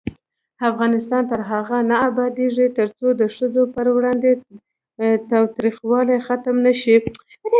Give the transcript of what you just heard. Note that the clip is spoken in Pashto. افغانستان تر هغو نه ابادیږي، ترڅو د ښځو پر وړاندې تاوتریخوالی ختم نشي.